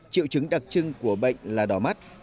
triệu chứng đặc trưng của bệnh là đỏ mắt